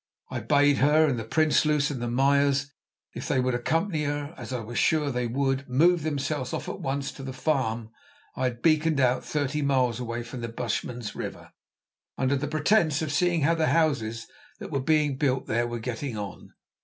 I bade her, and the Prinsloos and the Meyers, if they would accompany her, as I was sure they would, move themselves off at once to the farm I had beaconed out thirty miles away from the Bushman's River, under pretence of seeing how the houses that were being built there were getting on.